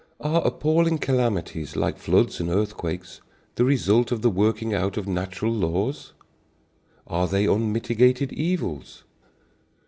Are appalling calamities, like floods and earthquakes, the result of the working out of natural laws? Are they unmitigated evils?